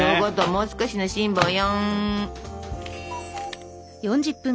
もう少しの辛抱よ。